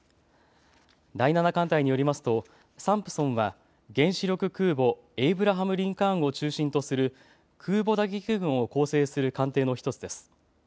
第７艦隊によりますとサンプソンは原子力空母、エイブラハム・リンカーンを中心とする空母打撃群を構成する艦艇の１つです。